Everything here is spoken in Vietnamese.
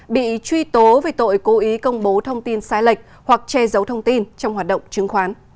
bị truy tố về tội cố ý công bố thông tin sai lệch hoặc che giấu thông tin trong hoạt động chứng khoán